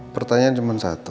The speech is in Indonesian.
pertanyaan cuma satu